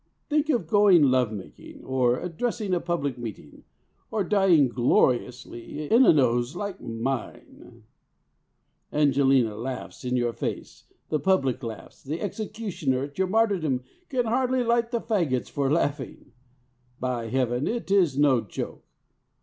Think of going love making, or addressing a public meeting, or dying gloriously, in a nose like mine! Angelina laughs in your face, the public laughs, the executioner at your martyrdom can hardly light the faggots for laughing. By heaven! it is no joke.